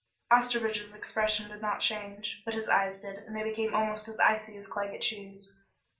Osterbridge's expression did not change but his eyes did, and they became almost as icy as Claggett Chew's.